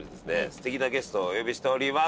素敵なゲストをお呼びしております。